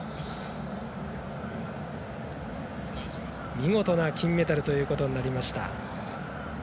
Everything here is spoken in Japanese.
見事な金メダルということになりました。